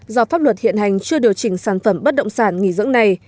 do pháp luật hiện hành chưa điều chỉnh sản phẩm bất động sản nghỉ dưỡng này